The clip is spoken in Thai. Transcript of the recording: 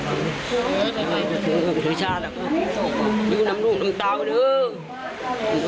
ตอนนี้ก็ไม่มีเวลาให้กลับมาเที่ยวกับเวลา